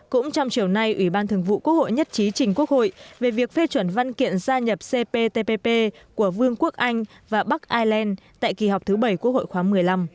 cũng trong chiều nay ủy ban thường vụ quốc hội nhất trí trình quốc hội về việc phê chuẩn văn kiện gia nhập cptpp của vương quốc anh và bắc ireland tại kỳ họp thứ bảy quốc hội khoáng một mươi năm